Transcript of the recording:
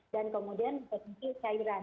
dan kemudian terdiri dari cairan